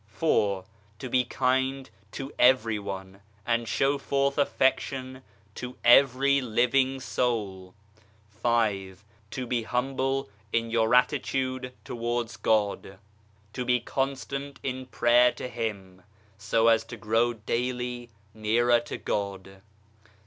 4. To be kind to everyone, and show forth affection to every living soul. 5. To be humble in your attitude towards God, to be constant in prayer to Him, so as to grow daily nearer to God.